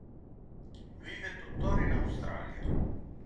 Vive tuttora in Australia.